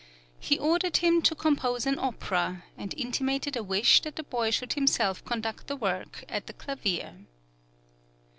He ordered him to compose an opera, and intimated a wish that the boy should himself conduct the work at the clavier.